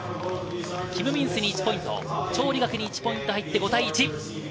キム・ミンスに１ポイント、チョウ・リガクに１ポイント入って、５対１。